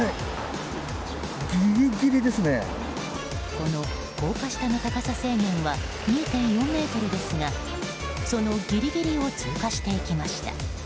この高架下の高さ制限は２．４ｍですがそのぎりぎりを通過していきました。